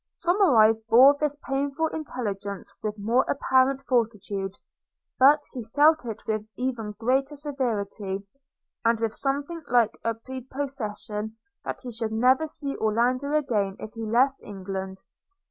Somerive bore this painful intelligence with more apparent fortitude; but he felt it with even greater severity, and with something like a prepossession that he should never see Orlando again if he left England.